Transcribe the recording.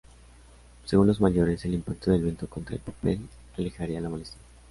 Según los mayores, el impacto del viento contra el papel alejaría la molestia.